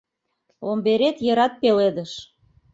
Ломберет йырат пеледыш: